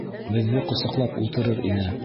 Беҙҙе ҡосаҡлап ултырыр ине.